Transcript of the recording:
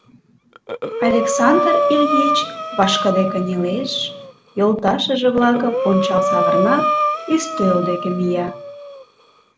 Александр Ильич вашкыде кынелеш, йолташыже-влакым ончал савырнат, ӱстел деке мия.